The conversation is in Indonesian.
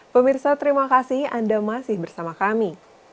pemirsa terima kasih anda masih bersama kami